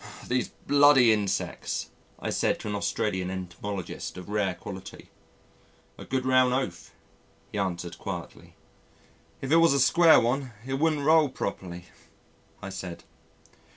"These bloody insects," I said to an Australian entomologist of rare quality. "A good round oath," he answered quietly. "If it was a square one it wouldn't roll properly," I said.